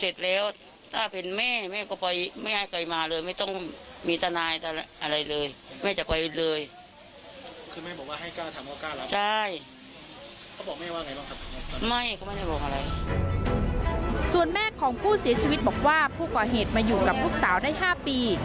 ส่วนแม่ของผู้เสียชีวิตบอกว่าผู้ก่อเหตุมาอยู่กับลูกสาวได้๕ปี